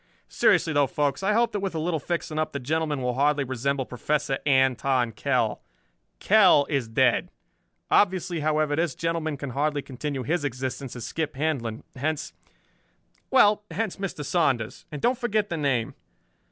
"Seriously though, folks, I hope that with a little fixing up the gentleman will hardly resemble Professor Anton Kell. Kell is dead. Obviously, however, this gentleman can hardly continue his existence as Skip Handlon. Hence well, hence Mr. Saunders. And don't forget the name.